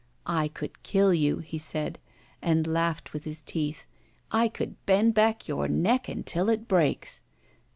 "I could kill you," he said, and laughed with his teeth. ''I could bend back your neck until it breaks."